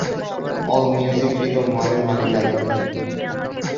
All music rhythm ওয়ানের মালিকানাধীন।